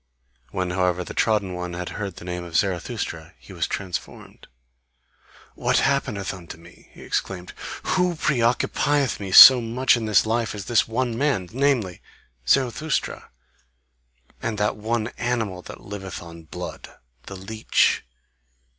When however the trodden one had heard the name of Zarathustra he was transformed. "What happeneth unto me!" he exclaimed, "WHO preoccupieth me so much in this life as this one man, namely Zarathustra, and that one animal that liveth on blood, the leech?